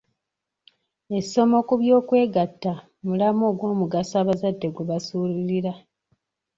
Essomo ku by'okwegatta mulamwa ogw'omugaso abazadde gwe basuulirira.